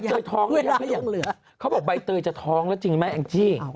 บ่ายเตยท้องแล้วจริงไหมอังจริง